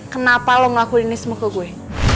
kenapa lo ngelakuin ini semua ke gue